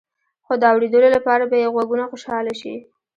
خو د اوریدلو لپاره به يې غوږونه خوشحاله شي.